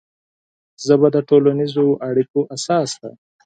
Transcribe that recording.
ژبه د ټولنیزو اړیکو اساس ده